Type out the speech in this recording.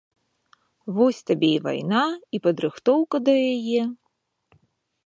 Вось табе і вайна, і падрыхтоўка да яе.